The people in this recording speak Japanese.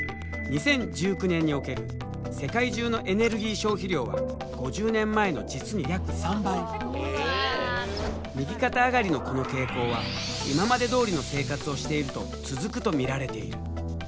２０１９年における世界中のエネルギー消費量は５０年前の実に約３倍右肩上がりのこの傾向は今までどおりの生活をしていると続くと見られている。